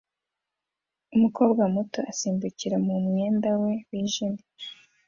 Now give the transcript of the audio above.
umukobwa muto asimbukira mu mwenda we wijimye